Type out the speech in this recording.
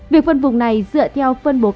việc phân vùng này dựa theo phân bố ca mắc